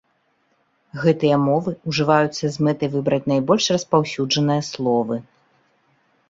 Гэтыя мовы ўжываюцца з мэтай выбраць найбольш распаўсюджаныя словы.